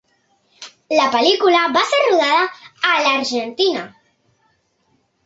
La pel·lícula va ser rodada a l'Argentina.